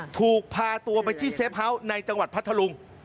ถูกพาตัวไปที่เซฟเฮาส์ในจังหวัดพัทธลุง